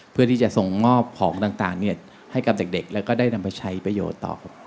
เพื่อที่จะส่งมอบของต่างให้กับเด็กแล้วก็ได้นำไปใช้ประโยชน์ต่อครับ